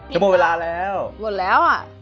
จะหมดเวลาแล้ว